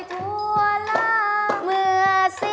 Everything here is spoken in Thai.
ธรรมดา